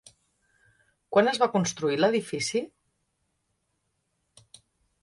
Quan es va construir l'edifici?